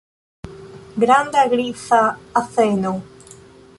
Granda griza azeno.